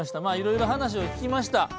まあいろいろ話を聞きました。